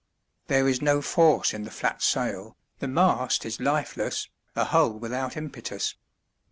There is no force in the flat sail, the mast is lifeless, the hull without impetus.